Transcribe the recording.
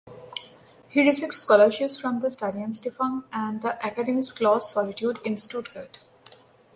He received scholarships from the Studienstiftung and the Akademie Schloss Solitude in Stuttgart.